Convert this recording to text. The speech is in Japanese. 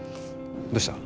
どうした？